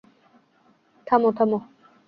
থামো, থামো।